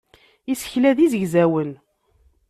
Isekla d izegzawen.